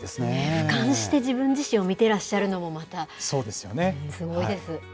ふかんして自分自身を見てらっしゃるのもまた。